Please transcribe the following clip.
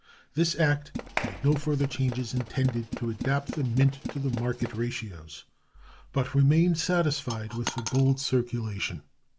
This act made no further changes intended to adapt the mint to the market ratios, but remained satisfied with the gold circulation.